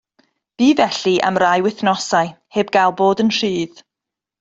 Bu felly am rai wythnosau, heb gael bod yn rhydd.